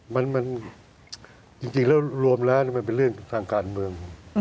มันจริงแล้วรวมแล้วมันเป็นเรื่องทางการเมือง